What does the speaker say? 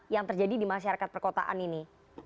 yang terjadi di masyarakat perkotaan ini